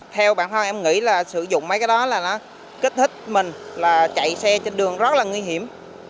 theo bản thân em nghĩ là sử dụng mấy cái đó là nó kích thích mình là chạy xe trên đường rất là nguy hiểm